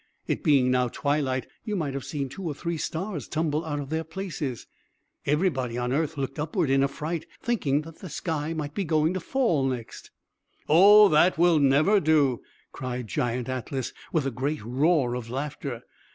It being now twilight, you might have seen two or three stars tumble out of their places. Everybody on earth looked upward in affright, thinking that the sky might be going to fall next. "Oh, that will never do!" cried Giant Atlas, with a great roar of laughter.